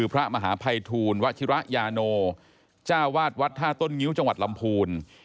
พระมหาภัยทูลวัชิระยาโนจ้าวาดวัดท่าต้นงิ้วจังหวัดลำพูน